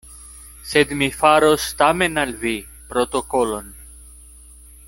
Sed mi faros tamen al vi protokolon.